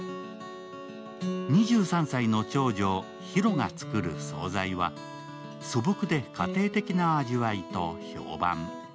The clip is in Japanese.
２３歳の長女・ヒロが作る総菜は、素朴で家庭的な味わいと評判。